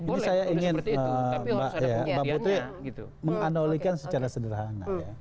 ini saya ingin mbak putri menganalikan secara sederhana